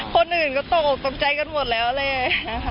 คนอื่นก็ตกตกใจกันหมดแล้วเลย